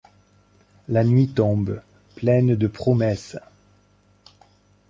La nuit tombe, pleine de promesses.